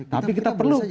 tapi kita perlu